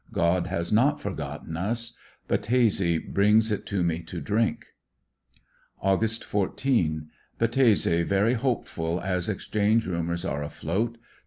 God has not forgotten us. Battese brings it to me to drink. Aug. 14.— Battese very hopeful, as exchange rumors are afloat.